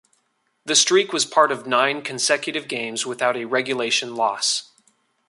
The streak was part of nine consecutive games without a regulation loss.